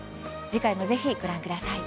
次回もぜひご覧ください。